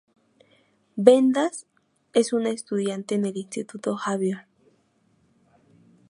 Vendas es una estudiante en el Instituto Xavier.